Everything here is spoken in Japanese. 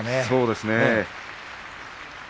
そうですね。